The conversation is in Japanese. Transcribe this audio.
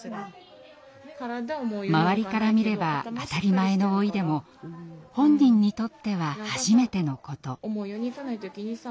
周りから見れば当たり前の老いでも本人にとっては初めてのこと。